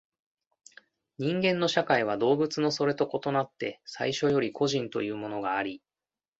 人間の社会は動物のそれと異なって最初より個人というものがあり、